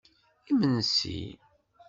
Imensi!